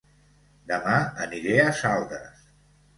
Dema aniré a Saldes